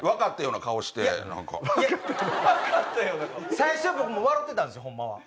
最初は僕も笑うてたんですよホンマは。